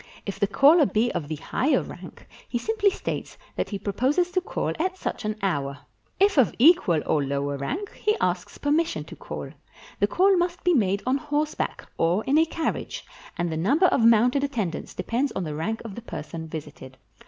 If the caller be of the higher rank, he simply states that he proposes to call at such an hour; 451 PERSIA if of equal or lower rank, he asks permission to call. The call must be made on horseback or in a carriage, and the number of mounted attendants depends on the rank of the person visited.